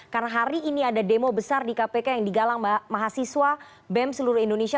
karena hari ini ada demo besar di kpk yang digalang mahasiswa bem seluruh indonesia